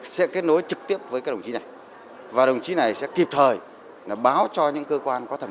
sẽ kết nối trực tiếp với các đồng chí này và đồng chí này sẽ kịp thời báo cho những cơ quan có thẩm